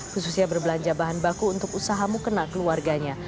khususnya berbelanja bahan baku untuk usahamu kena keluarganya